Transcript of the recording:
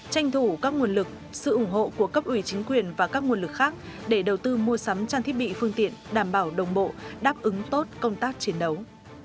tranh thủ các nguồn lực sự ủng hộ của cấp ủy chính quyền và các nguồn lực khác để đầu tư mua sắm trang thiết bị phương tiện đảm bảo đồng bộ đáp ứng tốt công tác chiến đấu